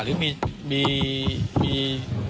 ก็ถ้ามีโอกาส